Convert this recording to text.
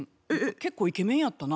結構イケメンやったな。